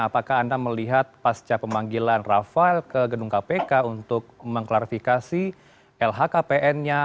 apakah anda melihat pasca pemanggilan rafael ke gedung kpk untuk mengklarifikasi lhkpn nya